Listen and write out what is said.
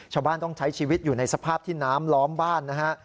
ชาวบ้านต้องใช้ชีวิตอยู่ในสภาพที่น้ำล้อมบ้านนะฮะ